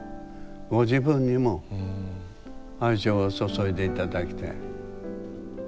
ご自分にも愛情を注いで頂きたい。